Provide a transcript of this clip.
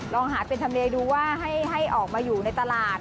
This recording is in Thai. ลองหาเป็นทำเลดูว่าให้ออกมาอยู่ในตลาด